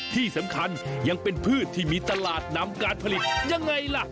ที่สำคัญยังเป็นพืชที่มีตลาดนำการผลิตยังไงล่ะ